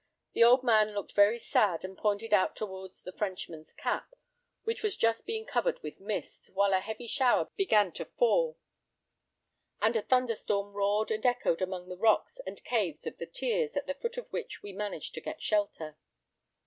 "The old man looked very sad, and pointed out towards the Frenchman's Cap, which was just being covered with mist, while a heavy shower began to fall, and a thunderstorm roared and echoed among the rocks and caves of the 'Tiers,' at the foot of which we managed to get shelter.